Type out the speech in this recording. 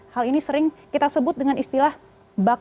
hal ini sering kita sebut dengan istilah bakar